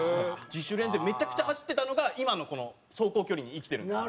自主練でめちゃくちゃ走ってたのが今のこの走行距離に生きてるんです。